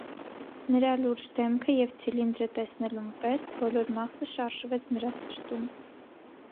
Նրա լուրջ դեմքը և ցիլինդրը տեսնելուն պես՝ բոլոր մաղձը շարժվեց նրա սրտում շ: